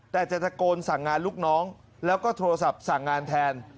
แต่จะตะโกนสั่งงานลูกน้องแล้วก็โทรศัพท์สั่งงานแทน